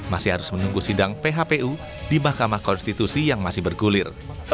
masih harus menunggu sidang phpu di mahkamah konstitusi yang masih bergulir